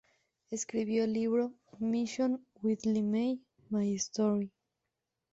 Escribió el libro "Mission With LeMay: My Story".